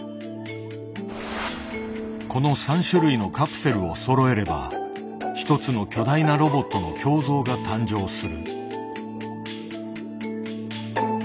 この３種類のカプセルをそろえれば１つの巨大なロボットの胸像が誕生する。